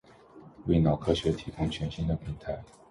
为脑科学研究提供全新的平台